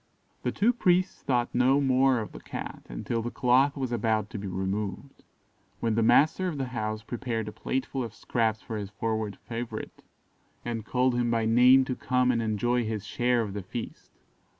The two priests thought no more of the Cat until the cloth was about to be removed; when the master of the house prepared a plateful of scraps for his forward favourite, and called him by name to come and enjoy his share of the feast.